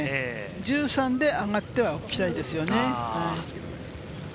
１３で上がっておきたいですね。